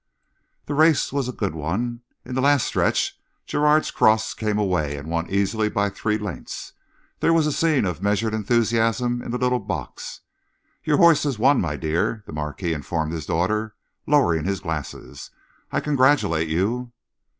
The race was a good one. In the last stretch, Gerrard's Cross came away and won easily by three lengths. There was a scene of measured enthusiasm in the little box. "Your horse has won, my dear," the Marquis informed his daughter, lowering his glasses. "I congratulate you."